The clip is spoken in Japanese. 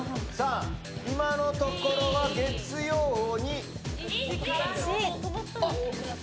今のところは月曜に。